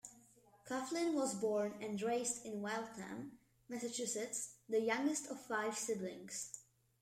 Coughlin was born and raised in Waltham, Massachusetts, the youngest of five siblings.